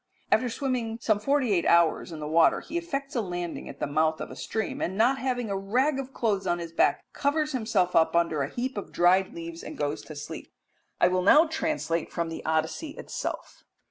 After swimming some forty eight hours in the water he effects a landing at the mouth of a stream, and, not having a rag of clothes on his back, covers himself up under a heap of dried leaves and goes to sleep. I will now translate from the Odyssey itself.